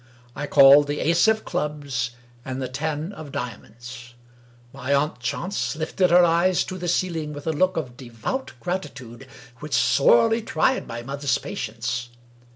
I called the Ace of Clubs and the Ten of Diamonds. My aunt Chance lifted her eyes to the ceiling with a look of devout gratitude which sorely tried my mother's patience.